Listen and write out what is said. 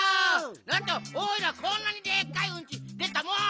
なんとおいらこんなにでっかいうんちでたもん！